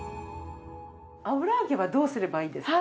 油揚げはどうすればいいですか？